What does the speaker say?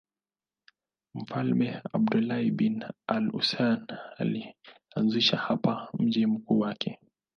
Mfalme Abdullah bin al-Husayn alianzisha hapa mji mkuu wake.